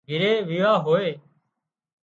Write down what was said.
گھري ويوا هوئي